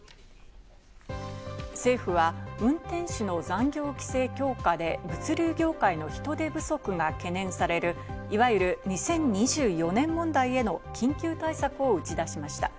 政府は運転手の残業規制強化で物流業界の人手不足が懸念される、いわゆる２０２４年問題への緊急対策を打ち出しました。